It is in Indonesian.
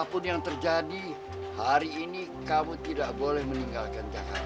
apapun yang terjadi hari ini kamu tidak boleh meninggalkan jakarta